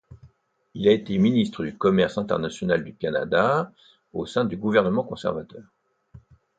Il a été ministre du Commerce international du Canada au sein du gouvernement conservateur.